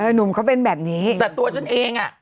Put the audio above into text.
หนุ่มเขาเป็นแบบนี้แต่ตัวฉันเองอ่ะ